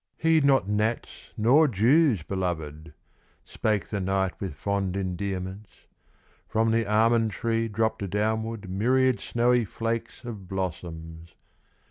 "Heed not gnats nor Jews, belovèd," Spake the knight with fond endearments. From the almond tree dropped downward Myriad snowy flakes of blossoms.